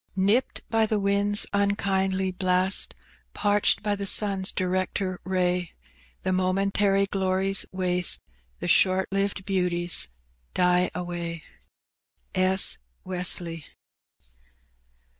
Nipt by the winds' nnkindly blast, Parched by the sun's director ray, The momentary glories waste, The short lived beauties die away. S. Wesley.